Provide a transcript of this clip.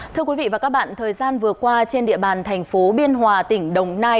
thưa quý vị và các bạn thời gian vừa qua trên địa bàn thành phố biên hòa tỉnh đồng nai